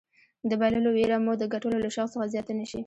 د بایللو ویره مو د ګټلو له شوق څخه زیاته نه شي.